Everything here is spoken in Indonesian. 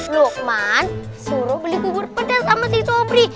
lukman suruh beli bubur pedas sama si sobri